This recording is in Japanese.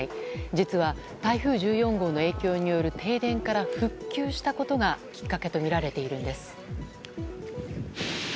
実は、台風１４号の影響による停電から復旧したことがきっかけとみられているんです。